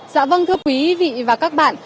dạ vâng thưa quý vị và các bạn